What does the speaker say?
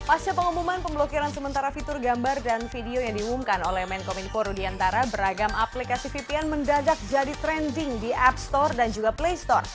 pasca pengumuman pemblokiran sementara fitur gambar dan video yang diumumkan oleh menkominfo rudiantara beragam aplikasi vpn mendadak jadi trending di app store dan juga play store